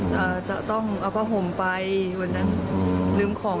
ค่ะชอบปืน